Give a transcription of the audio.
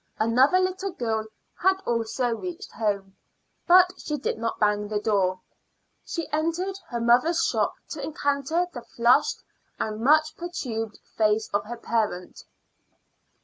Another little girl had also reached home, but she did not bang the door. She entered her mother's shop to encounter the flushed and much perturbed face of her parent.